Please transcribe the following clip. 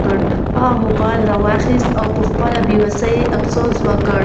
هغې موبایل ورواخیست او په خپله بې وسۍ یې افسوس وکړ.